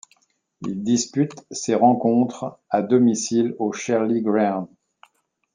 Il dispute ses rencontres à domicile au Sherly Ground.